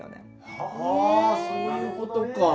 はあそういうことか。